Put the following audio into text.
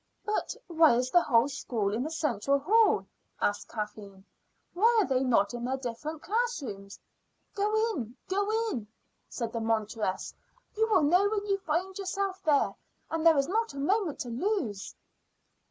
"But why is the whole school in the central hall?" asked Kathleen. "Why are they not in their different classrooms?" "Go in go in," said the monitress. "You will know when you find yourself there; and there is not a moment to lose."